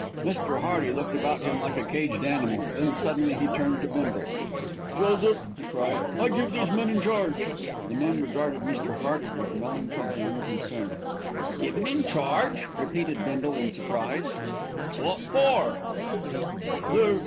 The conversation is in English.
Mr. Hearty looked about him like a caged animal, then suddenly he turned to Bindle. "Joseph," he cried, "I give these men in charge." The men regarded Mr. Hearty with melancholy unconcern. "Give 'em in charge!" repeated Bindle in surprise. "Wot for?"